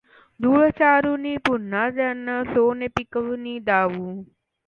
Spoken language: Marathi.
धूळ चारुनि पुन्हा त्यांना सोने पिकवुनि दावू।